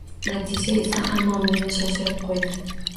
Natija esa hammamizni shoshirib qo`ydi